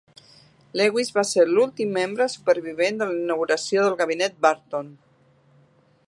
Lewis va ser l'últim membre supervivent de la inauguració del Gabinet Barton.